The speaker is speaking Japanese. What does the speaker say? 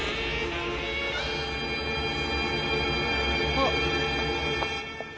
あっ。